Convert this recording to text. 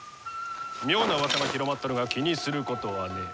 妙なうわさが広まっとるが気にすることはねえ。